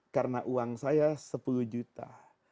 karena uang saya sepuluh juta